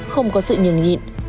không có sự nhường nhịn